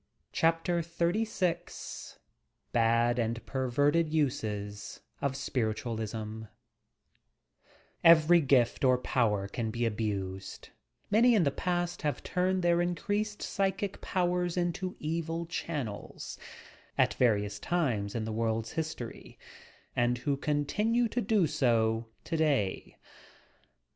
CHAPTER XXX VI BAD AND PERVERTED USES OF SPIRITUALISM EvEBY gift or power can be abused ; many in the part tiave turned their increased psychic powers into evil channels (at various times in the world's history) and who continue to do so today.